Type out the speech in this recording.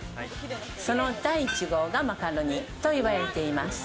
その第１号がマカロニと言われています。